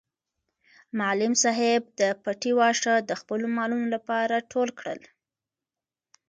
معلم صاحب د پټي واښه د خپلو مالونو لپاره ټول کړل.